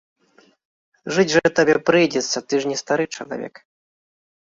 Жыць жа табе прыйдзецца, ты ж не стары чалавек.